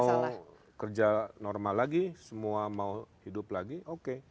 mau kerja normal lagi semua mau hidup lagi oke